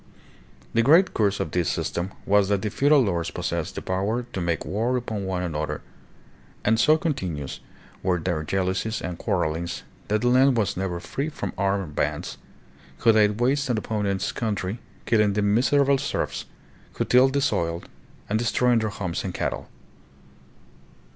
The great curse of this system was that the feudal lords possessed the power to make war upon one another, and so continuous were 44 EUROPE AND THE FAR EAST ABOUT 1400 A.D. 45 their jealousies and quarrelings that the land was never free from armed bands, who laid waste an opponent's coun try, killing the miserable serfs who tilled the soil, and de stroying their homes and cattle.